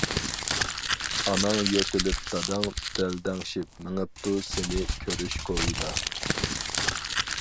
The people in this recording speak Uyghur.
ئاناڭ يۆتىلىپ داداڭ دەلدەڭشىپ، مېڭىپتۇ سېنى كۆرۈش كويىدا.